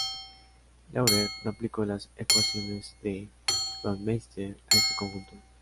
Laurer no aplicó las ecuaciones de Baumeister a este conjunto.